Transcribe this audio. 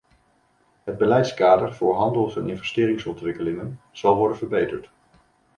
Het beleidskader voor handels- en investeringsontwikkelingen zal worden verbeterd.